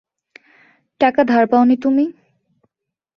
টাকা ধার পাও নি তুমি?